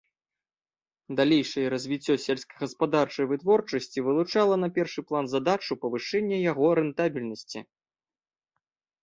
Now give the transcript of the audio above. Далейшае развіццё сельскагаспадарчай вытворчасці вылучыла на першы план задачу павышэння яго рэнтабельнасці.